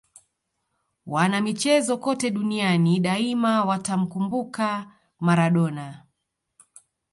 wanamichezo kote duniani daima watamkumbuka maradona